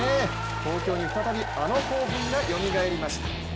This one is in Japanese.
東京に再びあの興奮がよみがえりました。